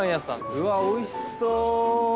うわおいしそう。